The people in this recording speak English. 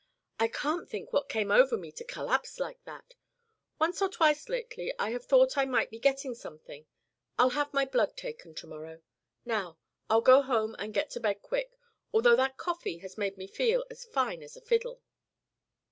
"I can't think what came over me to collapse like that. Once or twice lately I have thought I might be getting something. I'll have my blood taken to morrow. Now, I'll go home and get to bed quick, although that coffee has made me feel as fine as a fiddle."